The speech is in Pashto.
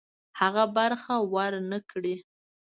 هغه برخه ورنه کړي.